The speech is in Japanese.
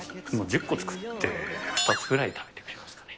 １０個作って２つぐらい食べてくれますかね。